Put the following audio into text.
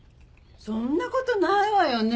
そんなことないわよね？